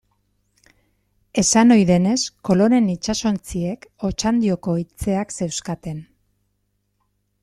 Esan ohi denez, Kolonen itsasontziek Otxandioko iltzeak zeuzkaten.